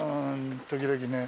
時々ね。